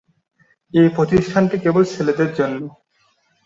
এ প্রতিষ্ঠানটি কেবল ছেলেদের জন্য।